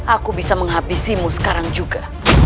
aku bisa menghabisimu sekarang juga